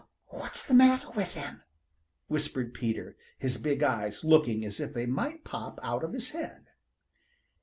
"What what's the matter with him?" whispered Peter, his big eyes looking as if they might pop out of his head.